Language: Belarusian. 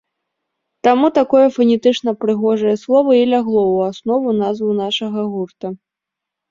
Таму такое фанетычна-прыгожае слова і лягло ў аснову назвы нашага гурта.